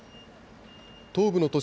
東部の都市